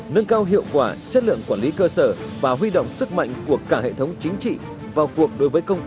nâng cao hiệu quả chất lượng quản lý cơ sở và huy động sức mạnh của cả hệ thống chính trị vào cuộc đối với công tác